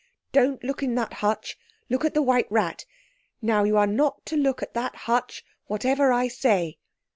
"Don't look at that hutch—look at the white rat. Now you are not to look at that hutch whatever I say."